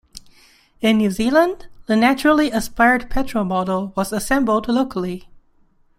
In New Zealand, the naturally aspirated petrol model was assembled locally.